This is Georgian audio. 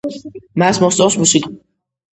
მას მოსწონს მუსიკა